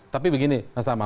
tapi begini nastama